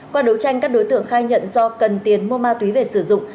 qua đấu tranh các đối tượng khai nhận do cần tiền mua ma túy về sử dụng